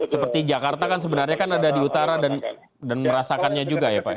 seperti jakarta kan sebenarnya kan ada di utara dan merasakannya juga ya pak ya